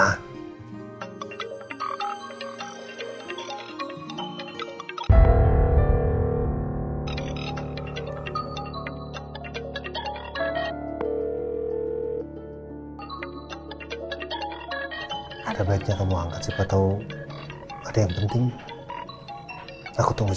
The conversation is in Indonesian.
ada banyak mau angkat siapa tahu ada yang penting aku tunggu